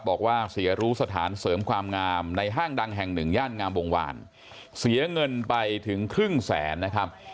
บอกว่าเสียรู้สถานเสริมความงามในห้างดังแห่งหนึ่งย่านงามวงวานเสียเงินไปถึงครึ่งแสนนะครับ